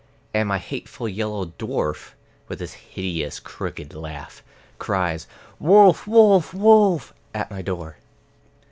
And my hateful yellow dwarf, with his hideous crooked laugh, Cries "Wolf, wolf, wolf!" at my door.